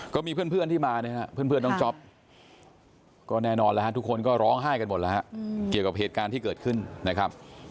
ก็มีเพื่อนที่มานะครับเพื่อนน้องจ๊อปก็แน่นอนแล้วฮะทุกคนก็ร้องไห้กันหมดแล้วฮะเกี่ยวกับเหตุการณ์ที่เกิดขึ้นนะครับ